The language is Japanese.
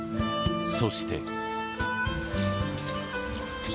そして。